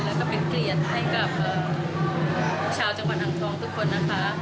แล้วก็เป็นเกลียดให้กับชาวจังหวัดอ่างทองทุกคนนะคะ